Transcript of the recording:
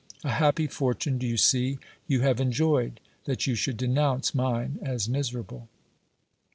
A happy fortune, do you see, you have enjoyed, that you should denounce mine as mis erable